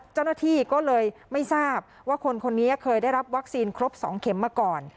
เจ้าหน้าที่ก็เลยไม่ทราบว่าคนคนนี้เคยได้รับวัคซีนครบ๒เข็มมาก่อน